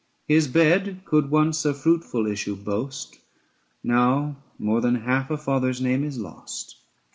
His bed could once a fruitful issue boast ; Now more than half a father's name is lost.